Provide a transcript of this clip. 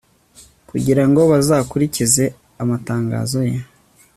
kugira ngo bazakurikize amatangazo ye